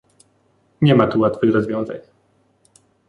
Nie ma tu łatwych rozwiązań